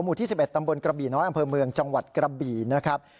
หมู่ที่สิบเอ็ดตำบลกระบี่น้อยอังเภอเมืองจังหวัดกระบี่นะครับ